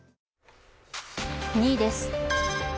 ２位です。